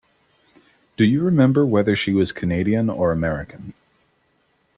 Do you remember whether she was Canadian or American?